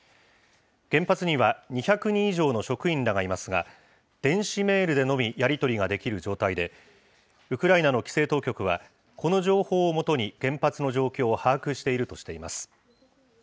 原発には２００人以上の職員らがいますが、電子メールでのみやり取りができる状態で、ウクライナの規制当局は、この情報を基に原発の状況を把握しているとしています。